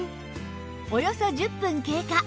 およそ１０分経過